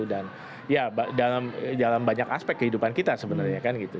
dan ya dalam banyak aspek kehidupan kita sebenarnya kan gitu